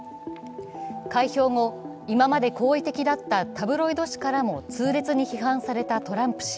開票後、今まで好意的だったタブロイド紙からも痛烈に批判されたトランプ氏。